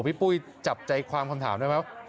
ปุ้ยจับใจความคำถามได้ไหม